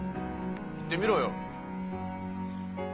言ってみろよ。